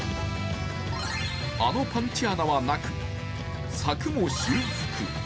あのパンチ穴はなく、柵も修復。